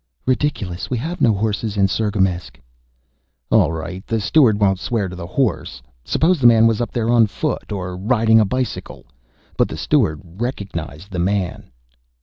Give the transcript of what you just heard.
"Ridiculous; we have no horses in Cirgamesç." "All right, the steward won't swear to the horse. Suppose the man was up there on foot or riding a bicycle. But the steward recognized the man."